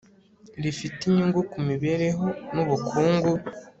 rifite inyungu ku mibereho n ubukungu